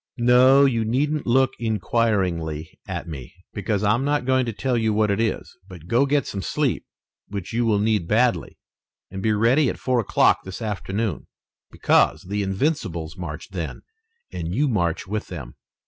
No, you needn't look inquiringly at me, because I'm not going to tell you what it is, but go get some sleep, which you will need badly, and be ready at four o'clock this afternoon, because the Invincibles march then and you march with them."